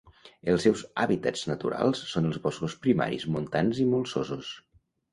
Els seus hàbitats naturals són els boscos primaris montans i molsosos.